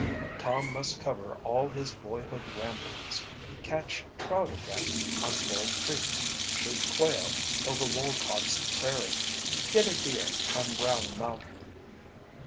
Tom must cover all his boyhood ramblings, catch trout again on Bull Creek, shoot quail over Walcott's Prairie, get a deer on Round Mountain.